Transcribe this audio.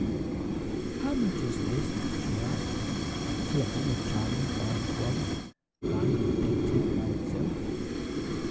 "How much is this?" she asked, selecting a charming violet one, lined with dainty flowered silk.